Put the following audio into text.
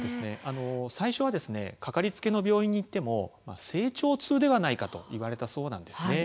最初は掛かりつけの病院に行っても成長痛ではないかと言われたそうなんです。